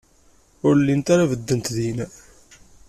Ur llint ara beddent din.